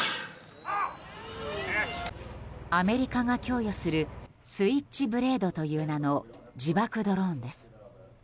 アメリカが供与するスイッチブレードという名の自爆ドローンです。